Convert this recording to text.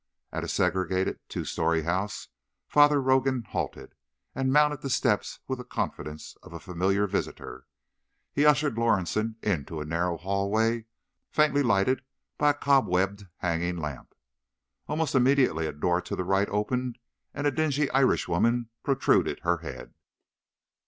At a segregated, two story house Father Rogan halted, and mounted the steps with the confidence of a familiar visitor. He ushered Lorison into a narrow hallway, faintly lighted by a cobwebbed hanging lamp. Almost immediately a door to the right opened and a dingy Irishwoman protruded her head.